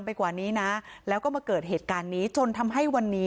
กว่านี้นะแล้วก็มาเกิดเหตุการณ์นี้จนทำให้วันนี้